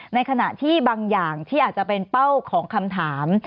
ในขณะที่บางอย่างที่อาจจะเป็นเป้าของคำถาม